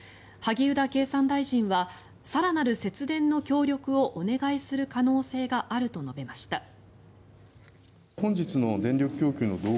萩生田経産大臣は更なる節電の協力をお願いする可能性があると述べました。